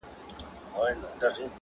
فشار احساسوي دننه